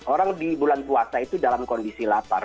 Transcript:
orang di bulan puasa itu dalam kondisi lapar